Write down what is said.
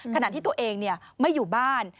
ขณะที่ตัวเองไม่อยู่บ้าน